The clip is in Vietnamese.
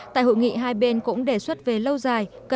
tại hội nghị hai bên cũng đề xuất về lâu dài